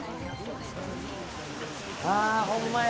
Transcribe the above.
あほんまや。